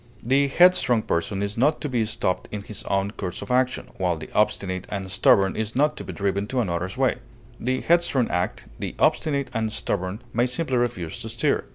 The headstrong person is not to be stopped in his own course of action, while the obstinate and stubborn is not to be driven to another's way. The headstrong act; the obstinate and stubborn may simply refuse to stir.